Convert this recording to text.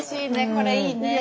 これいいね。